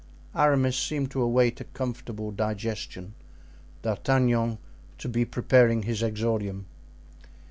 Aramis seemed to await a comfortable digestion; D'Artagnan, to be preparing his exordium.